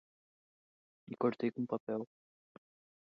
Me cortei com o papel